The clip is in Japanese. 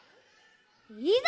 いざ。